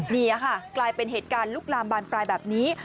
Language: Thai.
นี่ค่ะกลายเป็นเหตุการณ์ลุกลามบานปลายแบบนี้